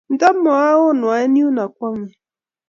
Nta maounoe eng yuno ngwonge.